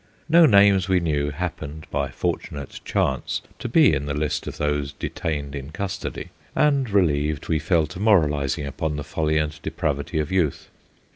No names we knew happened, by fortunate chance, to be in the list of those detained in custody, and, relieved, we fell to moralising upon the folly and depravity of youth.